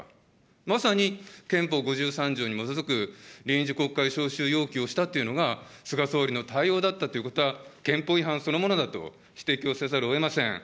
まさに憲法５３条に基づく臨時国会召集要求をしたというのが、菅総理の対応だったということは、憲法違反そのものだと指摘をせざるをえません。